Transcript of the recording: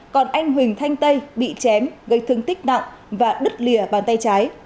còn anh huỳnh thanh tây bị chém gây thương tích nặng và đứt lìa bàn tay trái